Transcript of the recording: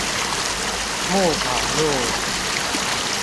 牧場路